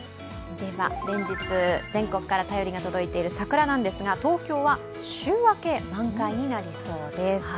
連日、全国から便りが届いている桜、東京は週明け満開になりそうです。